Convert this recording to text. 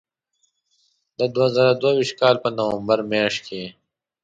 د دوه زره دوه ویشت کال په نومبر میاشت کې.